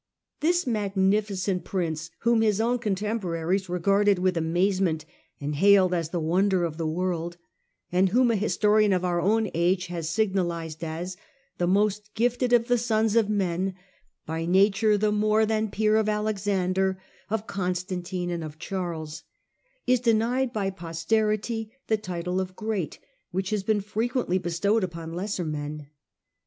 This magnificent prince, whom his own contemporaries regarded with amazement and hailed as the " Wonder of the World," and whom a historian of our own age has signalised as " the most gifted of the sons of man ; by nature the more than peer of Alexander, of Constantine and of Charles," 1 is denied by posterity the title of " Great " which has been frequently bestowed upon lesser men.